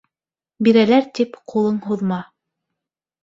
Бирәләр тип, ҡулың һуҙма.